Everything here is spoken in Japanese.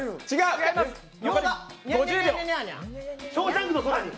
「ショーシャンクの空に」